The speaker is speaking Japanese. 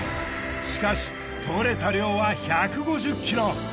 しかし取れた量は１５０ｋｇ。